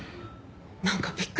何かびっくりして。